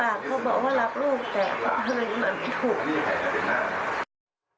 ปากเขาบอกว่ารักลูกแต่ทำแบบนี้มันไม่ถูก